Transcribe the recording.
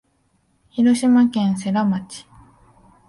広島県世羅町